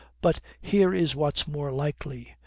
But here is what's more likely.